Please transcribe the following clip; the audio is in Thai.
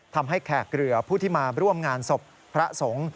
ทำให้แขกเหลือผู้ที่มาร่วมงานศพพระสงฆ์